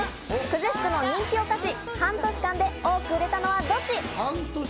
久世福の人気お菓子、半年間でを多く売れたのはどっち？